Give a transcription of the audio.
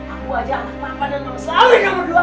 aku aja anak papa dan mama selalu ingin berdoa